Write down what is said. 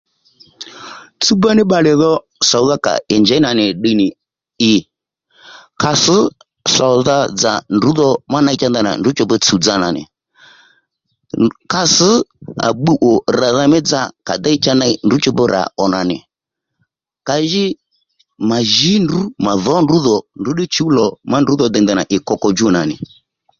Tsúwba ní bbalè dho sòwdha kà ì njěy ndanà nì ddiy nì i ka sš sòdha dzà ndrǔdho má ney cha ndanà drǔ dho tsùw dza nà nì kass pbuw ó ràdha mí dza kà dey cha ndrǔ chopu rà ò mà nì ka ji mà jǐ ndrǔ mà dhǒ ndrǔ dhò ndrǔ ddí chùw lò ma ndrǔdho dey ndanà ì koko djú nà nì